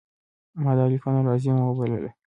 ما دا لیکنه لازمه وبلله.